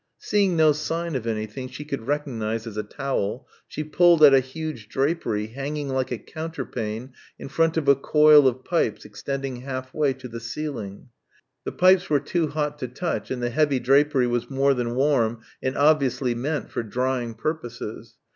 Seeing no sign of anything she could recognise as a towel, she pulled at a huge drapery hanging like a counterpane in front of a coil of pipes extending half way to the ceiling. The pipes were too hot to touch and the heavy drapery was more than warm and obviously meant for drying purposes.